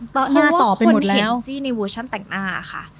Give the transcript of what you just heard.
เพราะว่าคนเห็นซี่ในเวอร์ชั่นแต่งหน้าค่ะ